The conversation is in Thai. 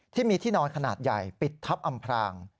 ที่มีที่นอนขนาดใหญ่ปิดทับอำพราง